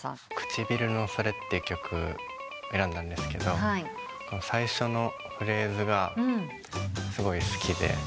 『唇のソレ』って曲選んだんですけど最初のフレーズがすごい好きで。